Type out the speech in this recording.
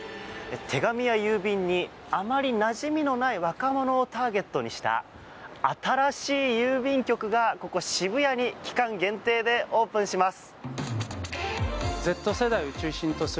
手紙や郵便にあまりなじみのない若者をターゲットにした新しい郵便局がここ、渋谷に期間限定でオープンします。